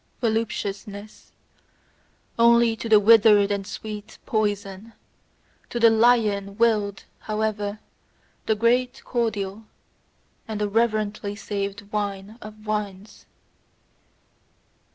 Voluptuousness: only to the withered a sweet poison; to the lion willed, however, the great cordial, and the reverently saved wine of wines.